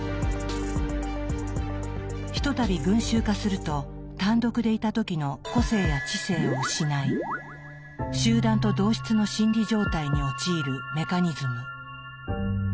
ひとたび群衆化すると単独でいた時の個性や知性を失い集団と同質の心理状態に陥るメカニズム。